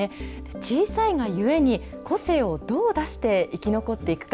小さいがゆえに、個性をどう出して、生き残っていくか。